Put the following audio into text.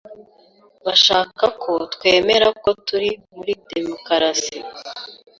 Bashaka ko twemera ko turi muri demokarasi.